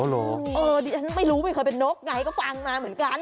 เหรอเออดิฉันไม่รู้ไม่เคยเป็นนกไงก็ฟังมาเหมือนกัน